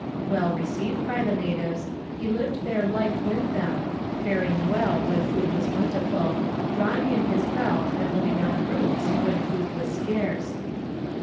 Well received by the natives, he lived their life with them, faring well when food was plentiful, drawing in his belt and living on roots when food was scarce.